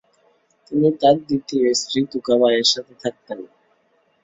তিনি তার দ্বিতীয় স্ত্রী তুকাবাঈয়ের সাথে থাকতেন।